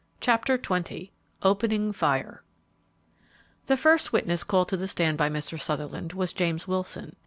CHAPTER XX OPENING FIRE The first witness called to the stand by Mr. Sutherland was James Wilson.